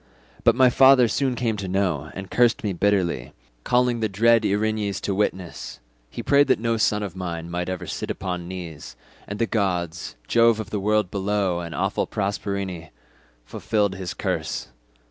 But my father soon came to know, and cursed me bitterly, calling the dread Erinyes to witness. He prayed that no son of mine might ever sit upon knees—and the gods, Jove of the world below and awful Proserpine, fulfilled his curse.